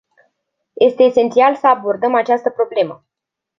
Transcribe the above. Este esențial să abordăm această problemă.